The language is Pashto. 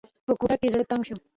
په کوټه کې زړه تنګ شو.